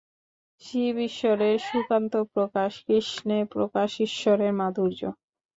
শিব ঈশ্বরের সুশান্ত প্রকাশ, কৃষ্ণে প্রকাশ ঈশ্বরের মাধুর্য।